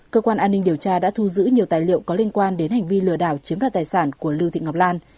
cơ quan an ninh điều tra đã thu giữ nhiều tài liệu có liên quan đến hành vi lừa đảo chiếm đoạt tài sản của lưu thị ngọc lan